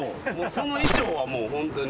その衣装はもうホントに。